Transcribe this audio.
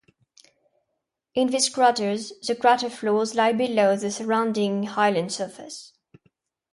In these craters, the crater floors lie below the surrounding highland surface.